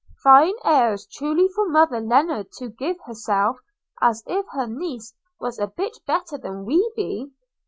– Fine airs truly for mother Lennard to give herself – as if her niece was a bit better than we be!